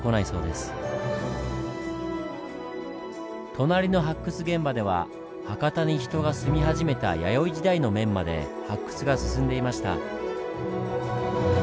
隣の発掘現場では博多に人が住み始めた弥生時代の面まで発掘が進んでいました。